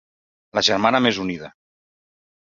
La germana més unida.